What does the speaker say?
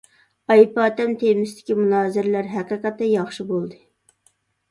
‹ ‹ئايپاتەم› › تېمىسىدىكى مۇنازىرىلەر ھەقىقەتەن ياخشى بولدى.